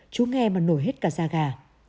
chú nghe mà nổi hết cả da gà